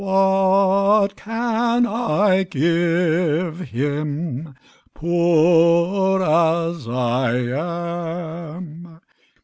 What can I give Him, Poor as I am?